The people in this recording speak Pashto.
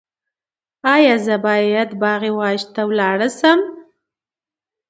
ایا زه باید باغ وحش ته لاړ شم؟